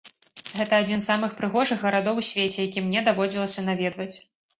Гэта адзін з самых прыгожых гарадоў у свеце, які мне даводзілася наведваць.